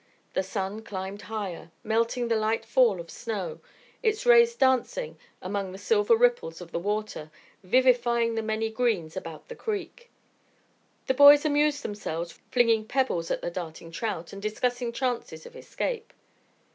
The sun climbed higher, melting the light fall of snow, its rays dancing among the silver ripples of the water, vivifying the many greens about the creek. The boys amused themselves flinging pebbles at the darting trout and discussing chances of escape.